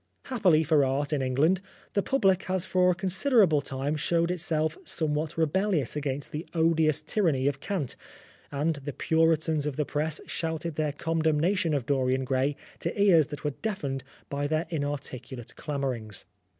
Happily for art in England, the public has for a considerable time showed itself some what rebellious against the odious tyranny of cant, and the Puritans of the Press shouted their condemnation of Dorian Gray to ears which were deafened by their inarticulate clamourings.